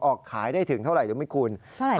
ออกขายได้ถึงเท่าไหร่รู้ไหมคุณ